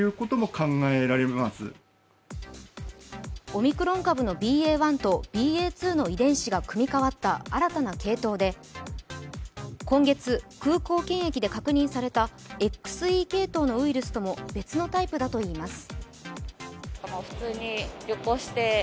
オミクロン株のＢＡ．１とＢＡ．２の遺伝子が組み換わった新たな系統で今月、空港検疫で確認されたＸＥ系統のウイルスとも別のタイプだといいます。